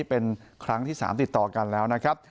เป็นครั้งที่๓ติดต่อกันแล้วนะครับ